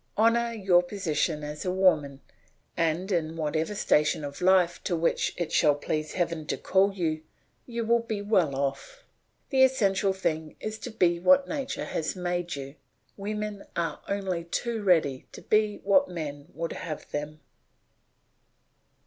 Honour your position as a woman, and in whatever station of life to which it shall please heaven to call you, you will be well off. The essential thing is to be what nature has made you; women are only too ready to be what men would have them.